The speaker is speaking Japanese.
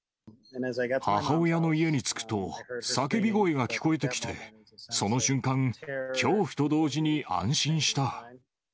母親の家に着くと、叫び声が聞こえてきて、その瞬間、恐怖と同時に安心した。